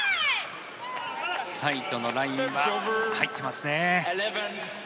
サイドのラインは入ってますね。